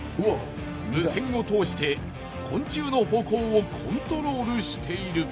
無線を通して昆虫の歩行をコントロールしている。